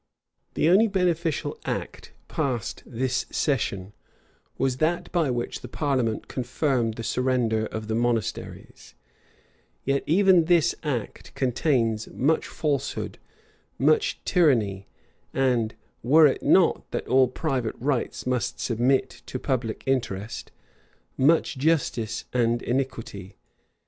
The only beneficial act passed this session, was that by which the parliament confirmed the surrender of the monasteries; yet even this act contains much falsehood, much tyranny, and, were it not that all private rights must submit to public interest, much injustice and iniquity.